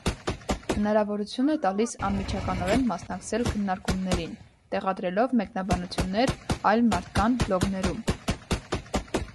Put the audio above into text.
Հնարավորություն է տալիս ամիջականորեն մասնակցել քննարկումներին՝ տեղադրելով մեկնաբանություններ այլ մարդկան բլոգներում։